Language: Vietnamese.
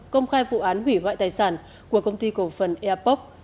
công khai vụ án hủy hoại tài sản của công ty cổ phần airpoc